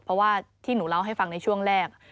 เพราะว่าที่หนูเล่าให้ฟังในช่วงแรก